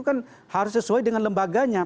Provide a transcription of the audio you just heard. kan harus sesuai dengan lembaganya